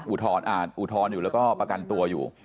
อ่านอุทธรณ์อยู่แล้วก็ประกันตัวอยู่